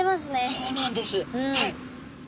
そうなんですはい。